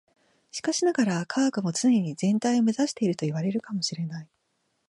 しかしながら、科学も常に全体を目指しているといわれるかも知れない。